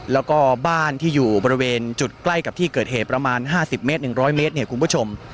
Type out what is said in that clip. แล้วก็บ้านที่อยู่บริเวณจุดใกล้กับที่เกิดเหตุประมาณ๕๐เมตร๑๐๐เมตรเนี่ยคุณผู้ชม